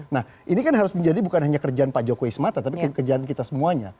nah ini kan harus menjadi bukan hanya kerjaan pak jokowi semata tapi kerjaan kita semuanya